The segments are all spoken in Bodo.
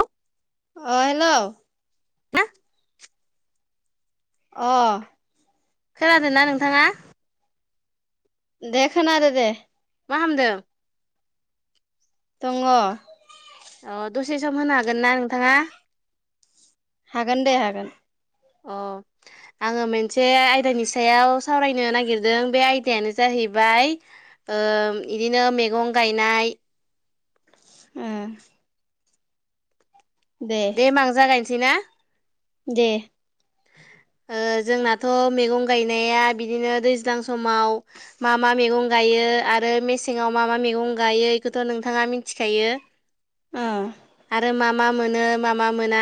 औ अ हेल' ना अ खोनादों ना नोंथाङा देखोनादो दे मा खामदों दङ अ दसे सम होनो हागोन ना नोंथाङा हागोन दे हागोन अ आङो मोनसे आयदानि सायाव सावरायनो नागिरदों बे आयदायानो जाहैबाय ओम बिदिनो मैगं गायनाय उम दे होमबा आं जागायनोसै ना? दे ओ जोंनाथ' मैगं गायनाया बिदिनो दैज्लां समाव मा मा मैगं गायो आरो मेसेंआव मा मा मैगं गायो बेखौथ' नोंथाङा मिथिखायो ओ आरो मा मा मोनो मा मा मोना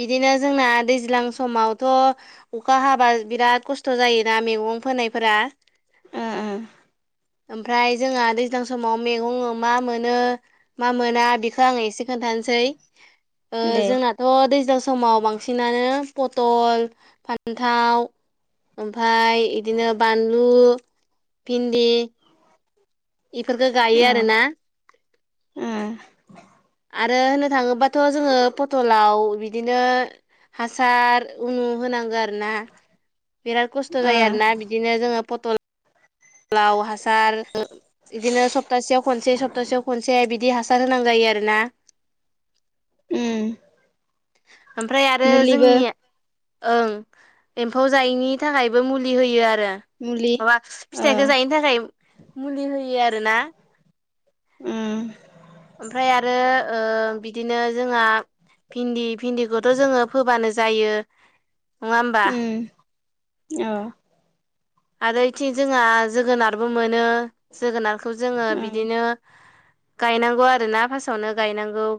बिदिनो जोंना दैज्लां समाव थ' अखा हाबा बिराद खस्थ' जायोना मैगं फोनायफोरा उम उम ओमफ्राय जोंहा दैज्लां समाव मैगं ओमा मोनो मा मोना बेखौ आङो एसे खोनथानोसै ओ दे जोंनाथ' दैज्लां समाव बांसिनानो पथल, फान्थाव ओमफ्राय बिदिनो बानलु, भिन्दि बेफोरखौ गायो ओ आरोना ओ आरो होननो थाङोबाथ' जोङो पटलाव बिदिनो हासार उनु होनांगौ आरोना बिराद खस्थ' ओ जायो आरोना बिदिनो जोङो पटलाव हासार बिदिनो सप्तासेयाव खनसे सप्तासेयाव खनसे बिदि हासार होनां जायो आरोना उम ओमफ्राय आरो मुलिबो जोंनि ओं एम्फौ जायैनि थाखायबो मुलि होयो आरो मुलि आ ओ फिथाइखौ जायैनि थाखाय मुलि होयो आरोना उम ओमफ्राय आरो ओ बिदिनो जोंहा भिन्दि भिन्दिखौथ' जोङो फोबानो जायो नङा होमबा ओ आरो इथिं जोंहा जोगोनारबो मोनो जोगोनारखौ जोङो उम बिदिनो गायनांगौ आरोना फार्स्टआवनो गायनांगौ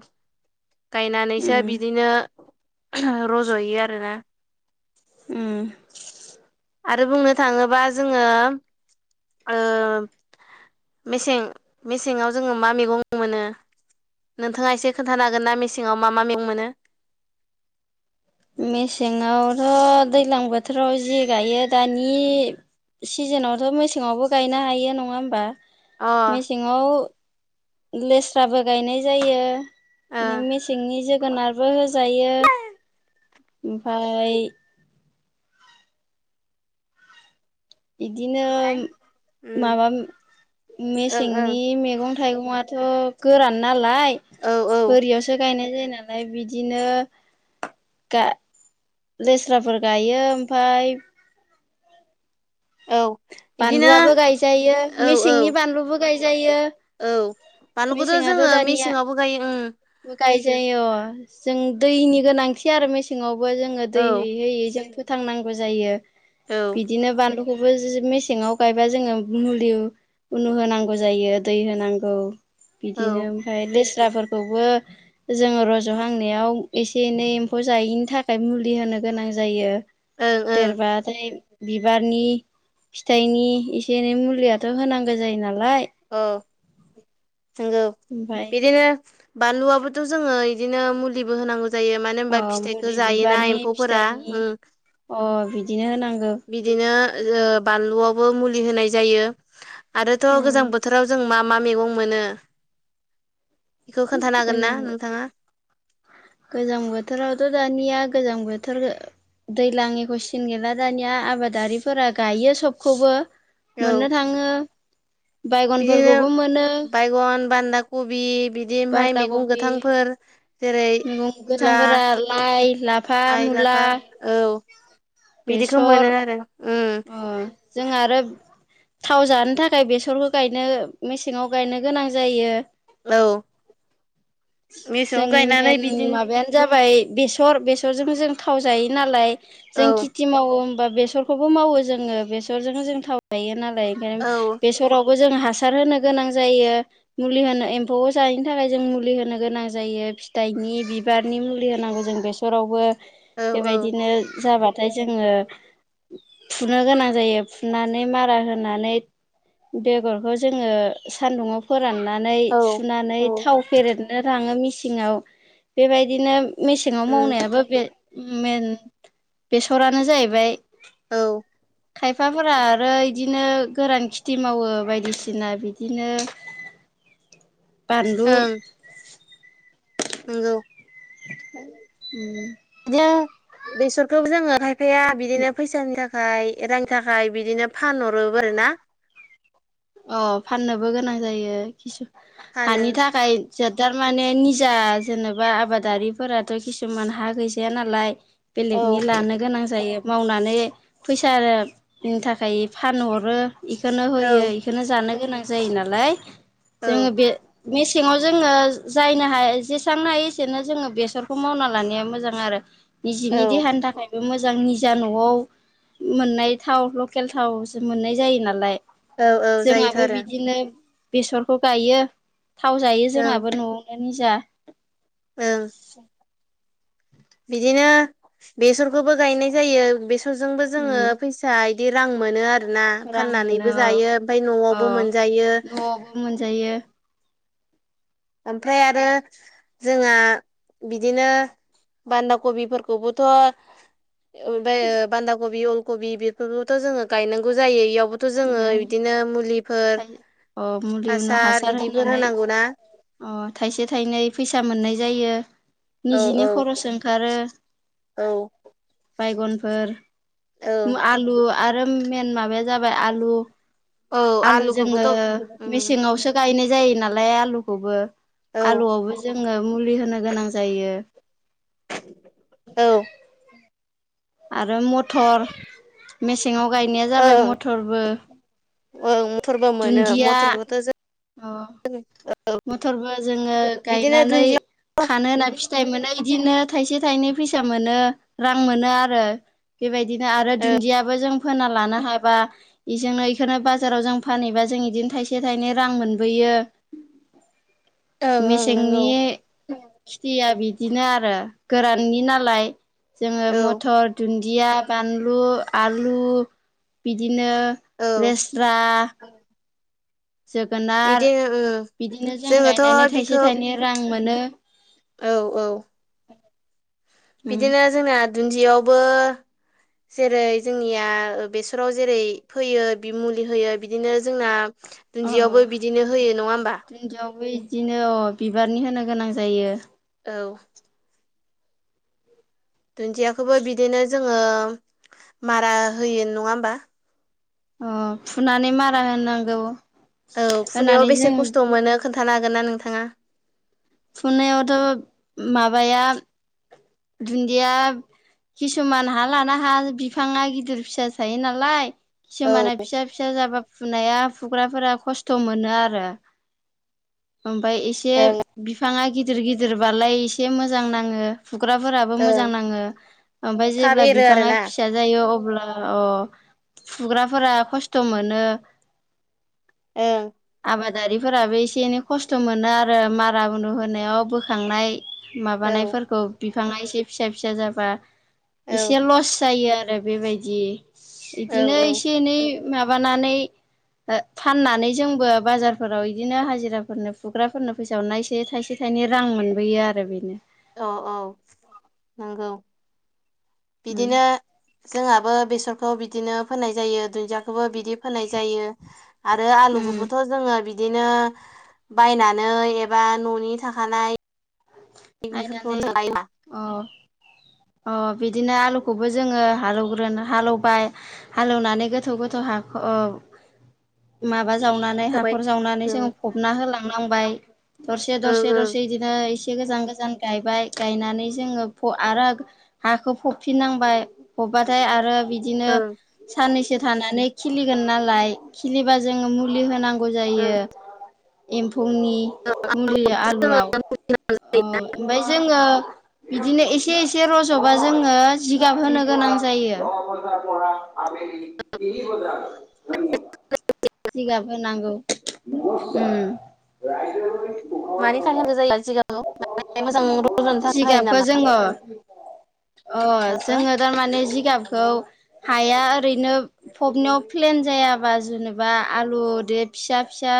गायनानैसो उम बिदिनो रज'यो आरोना उम आरो बुंनो थाङोबा जोङो ओ मेसें मेसेङाव जोङो मा मैगं मोनो? नोंथाङा एसे खोन्थानो हागोन ना? मेसेङाव मा मा मैगं मोनो। मेसेङावथ' दैज्लां बोथोराव जि गायो दानि सिजोनावथ' मेसेङावबो गायनो हायो नङा होमबा। अ मेसेङाव लेस्राबो गायनाय जायो। ओ बिदिनो मेसेंनि जोगोनारबो होजायो ओमफाय बिदिनो उम माबा ओं ओं मेसेंनि मैगं थाइगङाथ' गोरान नालाय औ औ बोरियावसो गायनाय जायो ना लाय बिदिनो गा लेस्राफोर गायो ओमफ्राय औ बिदिनो बानलुआबो गायजायो औ औ मेसेंनि बानलुबो गायजायो। औ बानलुखौथ' मेसेंआथ' जोङो दानिया मेसेंआवबो गायो उम गायजायो अ जों दैनि गोनांथि आरो मेसेङावबो जों ओ दै औ होयै होयै जों फोथांनांगो जायो बिदिनो बानलु खौबो मेसेङाव गायबा जोङो मुलि उ उनु होनांगौ जायो दै होनांगौ औ बिदिनो ओमफ्राय लेस्राफोरखौबो जोङो रज'हांनायाव एसे एनै एम्फौ जायैनि थाखाय मुलि होनो गोनां जायो ओं ओं देरबाथाय बिबारनि फिथाइनि एसे एनै मुलियाथ' होनांगौ जायो नालाय अ नंगौ ओमफ्राय बिदिनो बानलुआबोथ' जोङो इदिनो मुलिबो होनांगौ जायो मान [unintelligible] होनबा अ फिथाइखौ मुलि जायोना बिबारनि एम्फौफोरा फिथाइनि ओ अ बिदिनो होनांगौ बिदिनो बानलुआवबो मुलि होनाय जायो आरोथ' गोजां बोथोर मा मा मैगं मोनो बेखौ खोन्थानो हागोन ना गोजां नोंथाङा? गोजां बोथोरावथ' दानिया गोजां बोथोर दैज्लांनिखौ सिन गैला दानिया आबादारिफोरा गायो सबखौबो औ मोननो थाङो बिदिनो बायगनफोरखौबो मोनो बायगन बान्दा कबि बिदि ओमफ्राय बान्दा मैगं कबि गोथांफोर जेरै मैगं मुला गोथांफोरा लाइ लाफा लाइ मुला लाफा औ बिदिखौ मोनो बेसर आरो ओ अ जों आरो थाव जानो थाखाय बेसरबो गायनो मेसेङाव गायनो गोनां जायो। औ मेसेङाव जोंनि गायनानै मेन बिदिनो माबायानो जाबाय बेस बेसरजों जों थाव जायो नालाय जों औ खेथि मावो होमबा बेसरखौ बेसरबो मावो बेफोरजों जों थाव जायो नालाय बेखायनो औ बेयावबो जों हासार हासार होनो गोनां जायो मुलि होनो एम्फौखौ जायैनि थाखाय जों मुलि होनो गोनां जायो फिथाइनि बिबारनि मुलि होनांगौ जों बेस बेसरावबो औ औ बेबायदिनो जाबाथाय जोङो फुनो गोनां जायो फुनानै मारा होनानै बेगरखौ जोङो सान्दुङाव फोराननानै औ सुनानै औ थाव फेरदनो लाङो मेसिङाव बेबायदिनो मेसेङाव उम मावनायाबो बे मेन बेसरानो जाहैबाय औ खायफाफोरा आरो इदिनो गोरान खेथि मावो बायदिसिना बिदिनो [inaudible] बानलु नोंगौ [inaudible] बिदिनो बेसरखौबो जोङो खायफाया बिदिनो फैसानि थाखाय ओमफाय रांनि थाखाय बिदिनो फानहरोबो आरो ना अ फाननोबो गोनां जायो खिसु फानो हानि थाखाय जो थारमाने निजा जेनेबा आबादारिफोराथ' किसुमान हा गैजाया नालाय औ बेलेगनि लानो गोनां जायो मावनानै फैसानि थाखाय फानहरो इखौनो औ होयो बे जानो गोनां जायो नालाय औ जों बे बेस मेसेङाव जोङो जायनो हायो जेसेनां हायो एसेनो जोङो बेसरखौ मावना लानाया मोजां आरो निजिनि औ देहानि थाखायबो मोज मोजां निजा न'आव मोननाय थाव लकेल थावसो मोननाय जायो नालाय औ औ जायोथ' जोंहाबो आरो बिदिनो बेसरखौ गायो थाव जायो ओं जोंहाबो न'आवनो निजा ओं बिदिनो बेसरखौबो गायनाय जायो बेसरजोंबो उम जोङो फैस फिसा बिदि रां मोनो आरोना रां मोनो फाननानैबो जायो ओमफाय अ न'आवबो मोनजायो न'आवबो मोनजायो ओमफ्राय आरो जोंहा बिदिनो बान्दा कबिफोरखौबोथ' ओमफाय ओ बान्दा कबि अलकबि बेफोरबोथ' जोङो गायनांगौ जायो इयावबो थ' जोङो बिदिनो मुलि फाय ओ मुलिनो हासार इदिफोर होनानै होनांगौ ना अ थाइसे थाइनै फैसा मोननाय जायो औ औ निजिनि खरस ओंखारो औ बायगनफोर औ आलु आरो मेेन माबाया जाबाय आलु औ आलु जोङो आलुखौबोथ' उम मेसेङावसो गायनाय जायो नालाय आलुखौबो औ आलुआवबो जोङो मुलि होनो गोनां जायो। औ आरो मटर मेसेङाव गायनाया जाबाय ओं मटरबो ओं मथरबो मोनो दुन्दिया मथरखौथ' जों अ [unintelligible] मथरबो जोङो बिदिनो गायनानै दुन्दिया खानो होना फिथाइ मोनो बिदिनो थाइसे थाइनै फैसा मोनो रां मोनो आरो। बेबायदिनो आरो ओं दुन्दियाबो जों फोना लानो हाबा बेजोंनो बेखौनो बाजाराव जों फानहैबा जों बिदिनो थाइसे थाइनै रां मोनबोयो। ओं ओं नंगौ मेसेंनि खिथिया बिदिनो आरो गोराननि नालाय। जोङो औ मथर, दुन्दिया, बानलु, आलु बिदिनो औ लेस्रा जोगोनार बिदिनो ओं बिदिनो जों गायनानै जोङोथ' थाइसे बिखौ थाइनै रां मोनो। औ औ उम बिदिनो जोंना दुन्दियावबो जेरै जोंनिया ओ बेसराव जेरै फैयो मुलि होयो बिदिनो जोंना दुन्दियावबो बिदिनो होयो नङा होमबा। दुन्दिआवबो इदिनो अ बिबारनि होनो गोनां जायो। औ दुन्दियाखौबो बिदिनो जोङो मारा होयो नङा होमबा। अ फुनानै मारा होनांगौ। औ फुनायाव होनानै बेसे जों खस्थ' मोनो खोन्थानो हागोन ना नोंथाङा। फुनायावथ' माबाया दुन्दिया किसुमान हा लाना हा बिफाङा गिदिर फिसा थायो नालाय औ किसुमाना फिसा फिसा जाबा फुनाया फुग्राफोरा खस्थ' मोनो आरो ओमफाय एसे एसे ओं बिफाङा गिदिर गिदिरबालाय एसे मोजां नाङो। फुग्राफोराबो ओं मोजां नाङो ओमफ्राय थाब जेब्ला एरो बिफाङा आरोना फिसा जायो अब्ला अ फुग्राफोरा खस्थ' मोनो। ओं आबादारिफोराबो एसे एनै खस्थ' मोनो आरो मारा मुनु होनायाव बोखांनाय औ माबानायफोरखौ बिफाङा एसे फिसा फिसा जाबा औ एसे लस जायो आरो बेबायदि औ इदिनो एसे एनै माबानानै ओ फाननानै जों बो बाजारफोराव बिदिनो हाजिराफोरनो फुग्राफोरनो फैसाावरनाय एसे थाइसे थाइनै रां मोनबोयो आरो बेनो औ औ नंगौ बिदिनो जोंहाबो बेसरखौ बिदिनो फोननाय जायो दुन्दियाखौबो बिदि फोननाय जायो। आरो उम आलुखौबोथ' जोङो बिदिनो बायनानै एबा न'नि थाखानाय आइनानानै बेफोरखौनो लायोबा अ अ बिदिनो आलुखौबो जोङो हालौवग्रोना हालौवबाय हालेवनानै गोथौ गोथौ हाखौ माबा जावनानै जाबाय हाखर जावनानै जोङो ओं फबना होलांनांबाय। दरसे ओं दरसे दरसे बिदिनो एसे गोजान गोजान गायबाय गायनानै जोङो आरो हाखौ फबफिननांबाय फबबाथाय आरो बिदिनो ओं साननैसो थानानै खिलिगोन नालाय खिलिबा जों मुलि होनां गौ ओं जायो एम्फौनि मुलि आलुआव औ ओमफ्राय जोङो बिदिनो एसे ए से र'ज'बा जोङो जिगाब होनो गोनां जायो। [unintelligible] [inaudible] सिगाब होनांगौ उम मानि थाखाय [inaudible] जायो जिगाबखौ [inaudible] मोजां र'ज'नो थाखाय ना जिगाबखौ जोङो अ ओ जोङो थारमाने जिगाबखौ हाया ओरैनो फबनायाव प्लेन जायाबा जेने बा आलु दे फिसा फिसा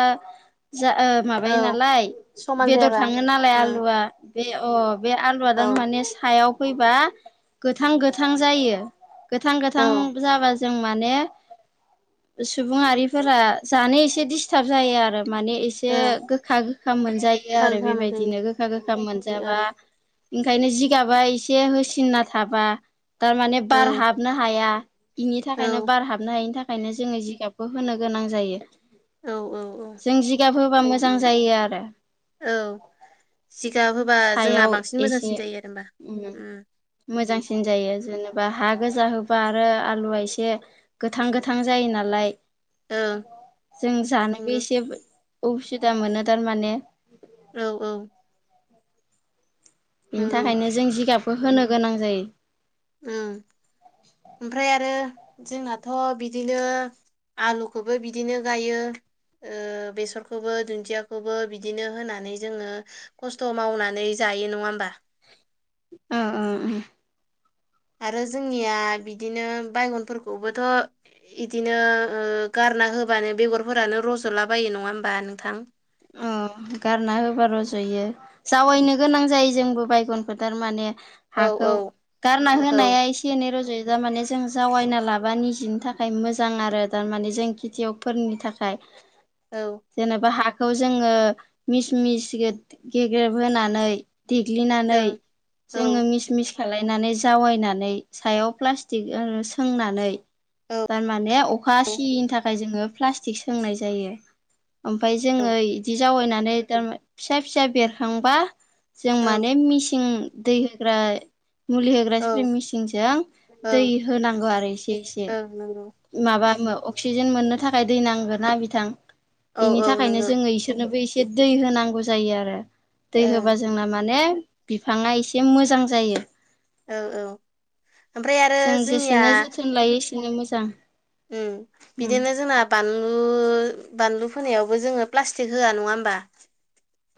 जा ओ औ माबायो नालाय समान बेदर जायाबा थाङो नालाय उम आलुआ बे अ बे आलुआ औ दान माने सायाव फैबा गोथां गोथां जायो गोथां औ गोथां जाबा जों माने सुबुंआरिफोरा जानो एसे दिसटाब जायो आरो माने ए से ओं गोखा गोखा मोनजायो आरो खालामनाय बेबायदिनो गोखा गोखा मोनजाबा जायो ओंखायनो जिगाबा एसे होसिनना थाबा थारमाने बार ओं हाबनो हाया इनि औ थाखायनो बार हाबनो हायिनि थाखायनो जोङो जिगाबखौ होनो गोनां जायो। औ औ औ जों जिगाब होबा मोजां जायो आरो औ जिगाब होबा जोंना सायाव बांसिन एसे मोजांसिन जायो आरो मा उम मोजांसिन जायो जेनेबा हा गोजा होबा आरो आलुआ एसे गोथां गोथां जायो नालाय उम ओं जों जानोबो नंगौ एसे उसुबिदा मोनो थारमाने औ औ बिनि नंगौ थाखायनो जों जिगाबखौ होनो गोनां जायो। उम ओमफ्राय आरो जोंनाथ' बिदिनो आलुखौबो बिदिनो गायो। ओ बेसरखौबो दुन्दियाखौबो बिदिनो होनानै जोङो खस्थ' मावनानै जायो नङा होमबा अ अ उम आरो जोंनिया बिदिनो बायगनफोरखौबोथ' इदिनो ओ गारना होबानो बेगरफोरानो रज'लाबायो नङा होमबा नोंथां। औ गारना होबा रज'यो। जावैनो गोनां जायो जोंबो बायगनखौ थार माने औ हाखौ औ गारना औ होनाया ए से एनै रज'यो थार माने जों जावायना लाबा निजेनि थाखाय मोजां आरो थार माने जों खेथियाव फोरनि थाखाय। औ। जेनेबा हाखौ जोङो मिस मिस गे-गेग्रेब होनानै देग्लिनानै ओं औ जोङो मिस मिस खालायनानै जावायनानै सायाव प्लासटिक सोंनानै औ थार माने अखा सियैनि थाखाय जोङो प्लास्टिक सोंनाय जायो ओमफ्राय औ जोङो इदि जावैनानै थारम फिसा फिसा बेरखांबा जों औ माने मिसिं दै होग्रा मुलि होग्रा सिप्रिं मिसिनजों औ दै ओं होनांगौ आरो इसे एसे। ओं नंगौ माबा अक्सिजेन मोननो थाखाय दै नांगोना बिथां औ बेनि औ थाखायनो नंगौ। जोङो इसोरनोबो एसे दै होनांगौ जायो आरो दै ओं होबा जोंना माने बिफाङा एसे मोजां जायो। औ औ ओमफ्राय आरो जों जेसेनो जोंनिया जोथोन लायो एसेनो मोजां। उम उम बिदिनो जोंना बानलु बानलु फोनायावबो जोङो प्लास्टिक होआ नङा होमबा।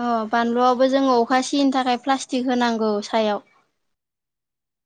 अ बानलुआवबो जोङो अखा सिनि थाखाय प्लास्टिक होनांगौ सायाव।